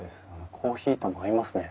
コーヒーとも合いますね。